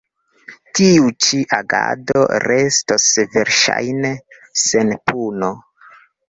Tiu ĉi agado restos verŝajne sen puno.